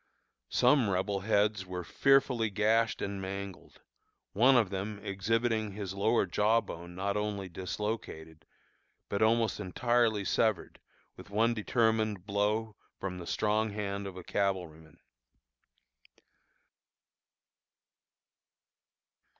Some Rebel heads were fearfully gashed and mangled, one of them exhibiting his lower jaw bone not only dislocated, but almost entirely severed with one determined blow from the strong hand of a cavalryman.